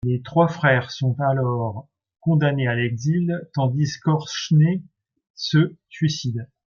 Les trois frères sont alors condamnés à l'exil tandis qu'Ochné se suicide.